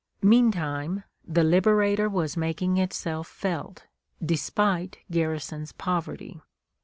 Meantime, the "Liberator" was making itself felt, despite Garrison's poverty.